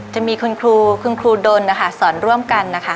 จะมีคุณครูคุณครูดนนะคะสอนร่วมกันนะคะ